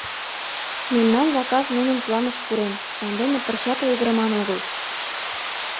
Мемнан заказ нунын планыш пурен, сандене пырчат ойгырыман огыл.